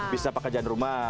bisa pekerjaan rumah